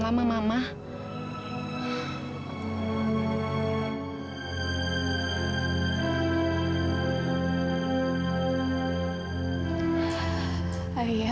kenapalijkah kamu si kapok pandemia